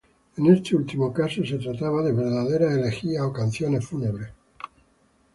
En este último caso se trataba de verdaderas elegías o canciones fúnebres.